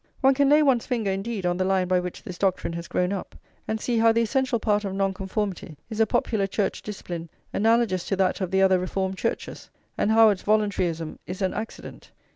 One can lay one's finger, indeed, on the line by which this doctrine has grown up, and see how the essential part of Nonconformity is a popular church discipline analogous to that of the other reformed churches, and how its voluntaryism is an accident.